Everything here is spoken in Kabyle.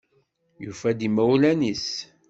Yufa-d imawlan-nnes.